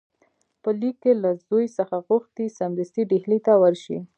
په لیک کې له زوی څخه غوښتي سمدستي ډهلي ته ورشي.